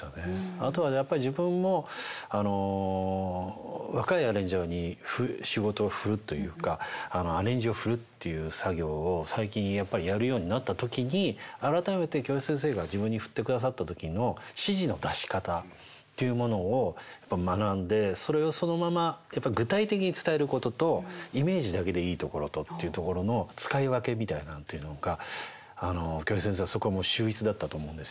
あとはやっぱり自分も若いアレンジャーに仕事を振るというかアレンジを振るっていう作業を最近やるようになった時に改めて京平先生が自分に振ってくださった時の指示の出し方っていうものを学んでそれをそのままやっぱり具体的に伝えることとイメージだけでいいところとっていうところの使い分けみたいなのっていうのが京平先生はそこも秀逸だったと思うんですよね。